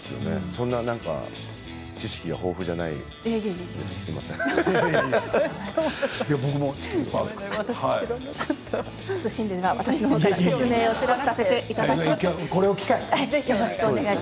そんな、なんか知識が豊富じゃないいえいえ